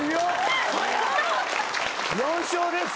４笑です。